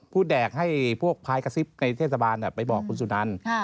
แดกให้พวกพายกระซิบในเทศบาลไปบอกคุณสุนัน